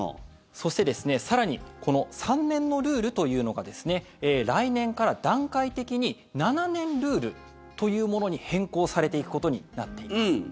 そして、更にこの３年のルールというのが来年から段階的に７年ルールというものに変更されていくことになっています。